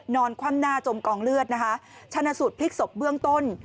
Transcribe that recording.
คว่ำหน้าจมกองเลือดนะคะชนะสูตรพลิกศพเบื้องต้น